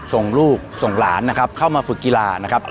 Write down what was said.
ส่งลูกส่งหลานนะครับเข้ามาฝึกกีฬานะครับ